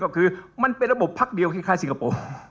ก็คือมันเป็นระบบพักเดียวคล้ายสิงคโปร์